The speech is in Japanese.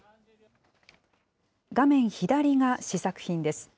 画面左が試作品です。